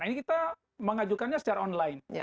ini kita mengajukannya secara online